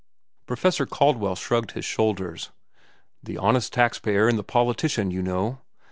Professor Caldwell shrugged his shoulders. "The honest taxpayer and the politician, you know.